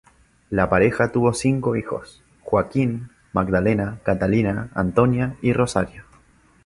La pareja tuvo cinco hijos: Joaquín, Magdalena, Catalina, Antonia y Rosario.